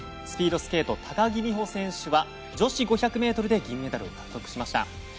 スピードスケート高木美帆選手は女子５００ｍで銀メダルを獲得しました。